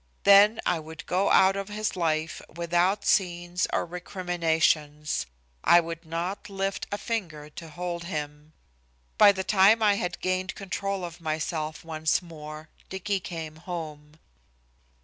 Then I would go out of his life without scenes or recriminations. I would not lift a finger to hold him. By the time I had gained control of myself once more, Dicky came home.